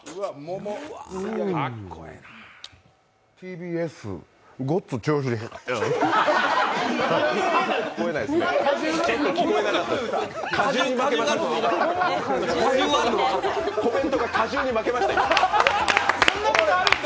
ＴＢＳ、ごっつ調子コメントが果汁に負けました、今。